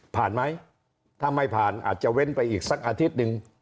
ไหมถ้าไม่ผ่านอาจจะเว้นไปอีกสักอาทิตย์หนึ่ง